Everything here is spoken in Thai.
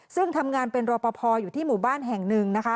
ซึ่งทำงานเป็นรอปภอยู่ที่หมู่บ้านแห่งหนึ่งนะคะ